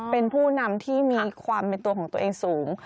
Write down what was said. เป็นผู้นำที่มีความเป็นตัวของตัวเองสูง